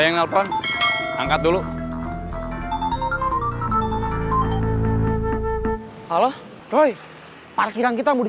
yang parkir udah gak ada